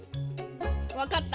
わかった。